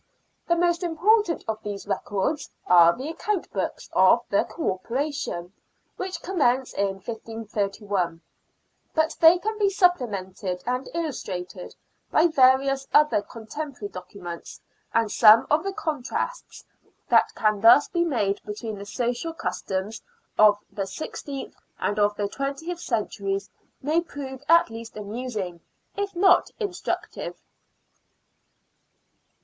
The most important of these records are the account books of the Corporation, which commence in 1531 ; but they can be supplemented and illustrated by various other contemporary documents, and some of the contrasts that can thus be made between the social customs of the sixteenth and of the twentieth centuries may prove at least amusing, if not instructive.